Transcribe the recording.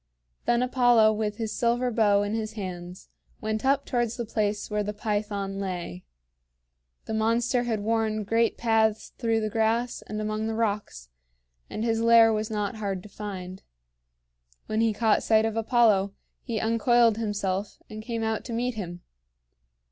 Then Apollo with his silver bow in his hands went up towards the place where the Python lay. The monster had worn great paths through the grass and among the rocks, and his lair was not hard to find. When he caught sight of Apollo, he uncoiled himself, and came out to meet him.